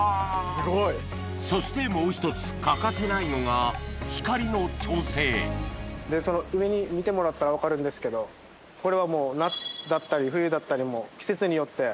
すごい！そしてもうひとつ欠かせないのが上に見てもらったら分かるんですけどこれは夏だったり冬だったり。